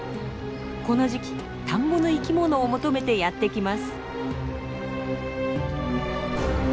この時期田んぼの生きものを求めてやってきます。